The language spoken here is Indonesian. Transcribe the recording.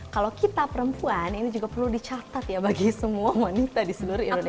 kalau kita perempuan ini juga perlu dicatat ya bagi semua wanita di seluruh indonesia